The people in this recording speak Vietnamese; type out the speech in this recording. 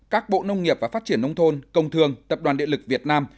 các bộ nông nghiệp và phát triển nông thôn công thương tập đoàn địa lực việt nam